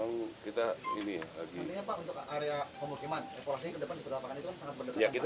artinya pak untuk area pemukiman evaluasinya ke depan seperti apa kan itu kan sangat mendukung